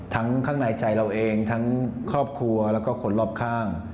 ทั้งข้างในใจเราเองทั้งครอบครัวแล้วก็คนรอบข้าง